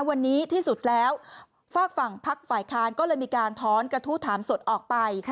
วันนี้ที่สุดแล้วฝากฝั่งพักฝ่ายค้านก็เลยมีการท้อนกระทู้ถามสดออกไป